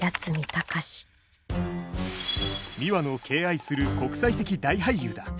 ミワの敬愛する国際的大俳優だ。